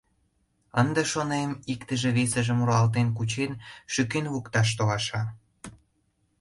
Ынде, шонем, иктыже весыжым руалтен кучен, шӱкен лукташ толаша.